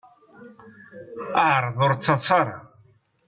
Ɛṛeḍ ur d-ttaḍṣa ara.